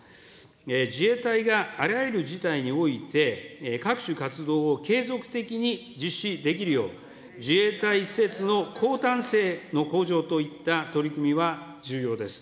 自衛隊があらゆる事態において、各種活動を継続的に実施できるよう、自衛隊施設の抗堪性の向上といった取り組みは重要です。